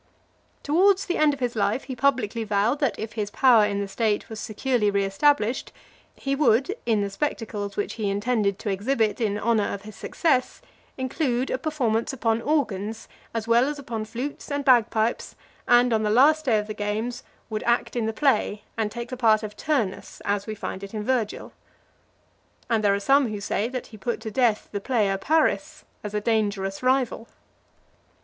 LIV. Towards the end of his life, he publicly vowed, that if his power in the state was securely re established, he would, in the spectacles which he intended to exhibit in honour of his success, include a performance upon organs , as well as upon flutes and bagpipes, and, on the last day of the games, would act in the play, and take the part of Turnus, as we find it in Virgil. And there are some who say, that he put to death the player Paris as a dangerous rival. LV.